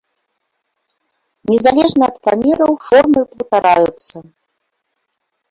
Незалежна ад памераў формы паўтараюцца.